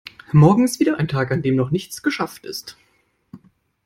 Morgen ist wieder ein Tag, an dem noch nichts geschafft ist.